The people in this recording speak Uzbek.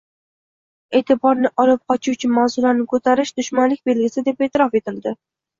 e’tiborni olib qochuvchi mavzularni ko‘tarish dushmanlik belgisi deb e’tirof etildi.